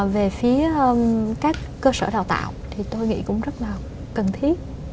về phía các cơ sở đào tạo thì tôi nghĩ cũng rất là cần thiết